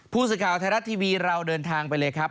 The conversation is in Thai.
ผู้สื่อข่าวไทยรัฐทีวีเราเดินทางไปเลยครับ